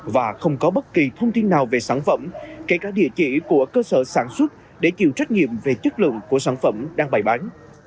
và không có bất kỳ thông tin nào về sản phẩm kể cả địa chỉ của cơ sở sản xuất để chịu trách nhiệm về chất lượng của sản phẩm đang bày bán